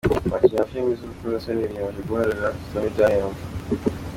Abakinnyi ba filimi z’urukozasoni biyemeje guhorera Stormy Daniels.